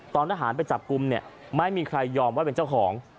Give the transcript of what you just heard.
ทหารไปจับกลุ่มเนี่ยไม่มีใครยอมว่าเป็นเจ้าของ